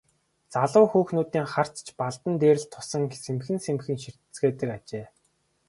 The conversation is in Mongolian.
Залуу хүүхнүүдийн харц ч Балдан дээр л тусан сэмхэн сэмхэн ширтэцгээдэг ажээ.